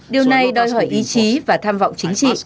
điều này đòi hỏi ý chí và tham vọng chính trị